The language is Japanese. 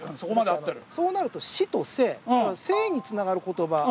そうなると「死」と「生」「生」に繋がる言葉。